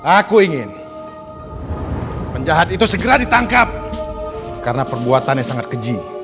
aku ingin penjahat itu segera ditangkap karena perbuatannya sangat keji